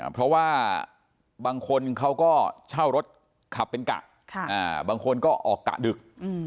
เพราะว่าบางคนเขาก็เช่ารถขับเป็นกะบางคนก็ออกกะดึก